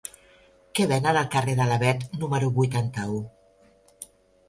Què venen al carrer de l'Avet número vuitanta-u?